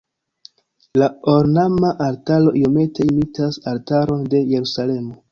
La ornama altaro iomete imitas altaron de Jerusalemo.